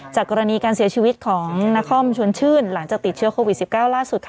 กรณีการเสียชีวิตของนครชวนชื่นหลังจากติดเชื้อโควิด๑๙ล่าสุดค่ะ